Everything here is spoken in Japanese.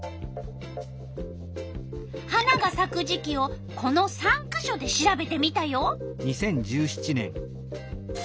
花がさく時期をこの３か所で調べてみたよ。